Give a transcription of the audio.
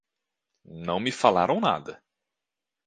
Não me falaram nada.